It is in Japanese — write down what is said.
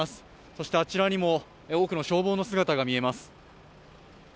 そして、あちらにも多くの消防の姿が見えます。